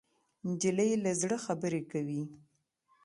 نجلۍ له زړه خبرې کوي.